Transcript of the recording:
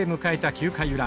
９回裏。